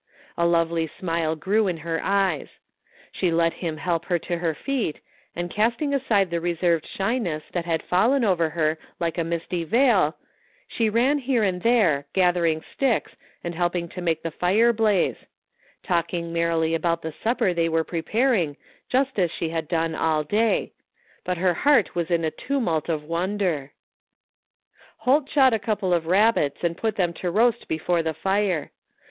A lovely smile grew in her eyes. She let him help her to her feet, and casting aside the reserved shyness that had fallen over her like a misty veil, she ran here and there, gathering sticks and helping to make the fire blaze; talking mer 76 THE FINDING OF JASPER HOLT rily about the supper they were preparing just as she had done all day; but her heart was in a tumult of wonder. Holt shot a couple of rabbits and put them to roast before the fire.